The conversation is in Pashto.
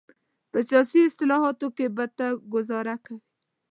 په سیاسي اصطلاحاتو کې به ته ګوزاره کوې.